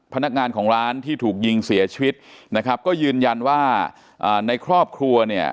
พนักงานของร้านที่ถูกยิงเสียชีวิตนะครับก็ยืนยันว่าในครอบครัวเนี่ย